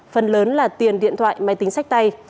phần lớn là tiền điện thoại máy tính sách tay